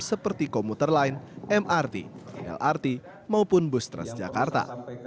seperti komuter lain mrt lrt maupun bustras jakarta